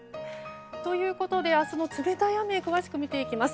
ということで、明日の冷たい雨詳しく見ていきます。